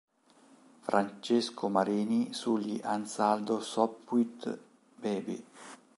Francesco Marini sugli Ansaldo Sopwith Baby.